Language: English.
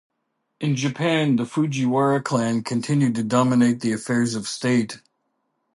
In Japan, the Fujiwara clan continued to dominate the affairs of state.